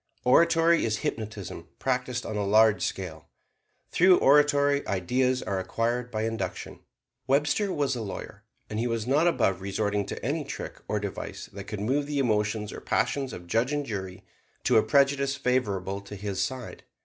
Oratory is hypnotism practised on a large scale. Through oratory ideas are acquired by induction. Webster was a lawyer; and he was not above resorting to any trick or device that could move the emotions or passions of judge and jury to a prejudice favorable to his side.